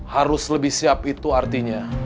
harus lebih siap itu artinya